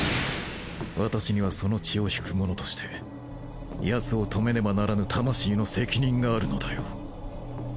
私にはその血を引く者としてヤツを止めねばならぬ魂の責任があるのだよ。